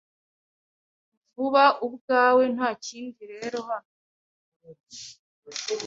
Vuba ubwawe nta kindi rero hano